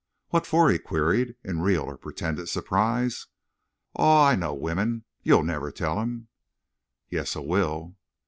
"What fer?" he queried, in real or pretended surprise. "Aw, I know wimmin. You'll never tell him." "Yes, I will."